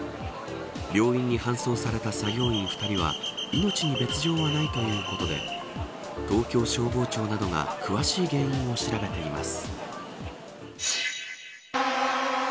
病院に搬送された作業員２人は命に別条はないということで東京消防庁などが詳しい原因を調べています。